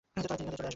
ঠিক হলেই চলে আসবে।